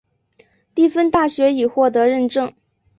蒂芬大学已获得认证。